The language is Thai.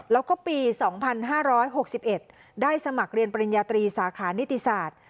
แล้วก็ปี๒๕๖๑ได้สมัครเรียนปริญญาตรีสาขานิติศาสตร์